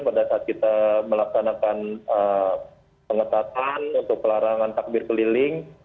pada saat kita melaksanakan pengetatan untuk pelarangan takdir peliling